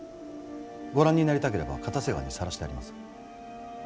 ご覧になりたければ固瀬川にさらしてあります。